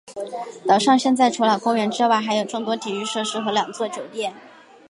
岛上现在除了公园之外还有众多体育设施和两座酒店。